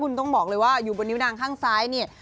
คุณต้องบอกเลยว่าอยู่บนนิ้วนางข้างซ้ายเนี่ย